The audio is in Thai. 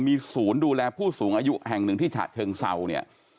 มีศูนย์ดูแลผู้สูงอายุแห่งหนึ่งที่ฉะเชิงเศร้าเนี่ย